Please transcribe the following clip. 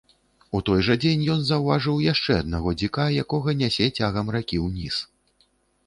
У той жа дзень ён заўважыў яшчэ аднаго дзіка, якога нясе цягам ракі ўніз.